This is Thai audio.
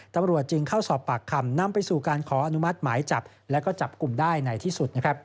ตำรวจจึงเข้าสอบปากคำนำไปสู่การขออนุมัติหมายจับแล้วก็จับกลุ่มได้ในที่สุดนะครับ